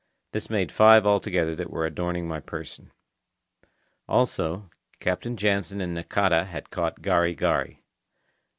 This made five all together that were adorning my person. Also, Captain Jansen and Nakata had caught gari gari.